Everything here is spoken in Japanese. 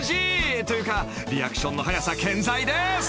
［というかリアクションの早さ健在です］